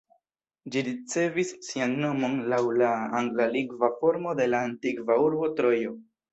Ĝi ricevis sian nomon laŭ la anglalingva formo de la antikva urbo Trojo.